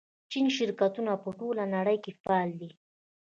چیني شرکتونه په ټوله نړۍ کې فعال دي.